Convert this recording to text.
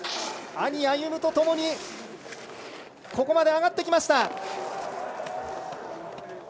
兄・歩夢とともにここまで上がってきました。